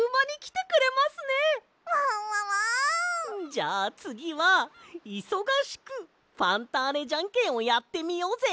じゃあつぎはいそがしくファンターネジャンケンをやってみようぜ！